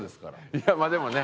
いやまあでもね